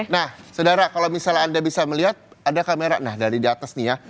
nah saudara kalau misalnya anda bisa melihat ada kamera dari di atas nih ya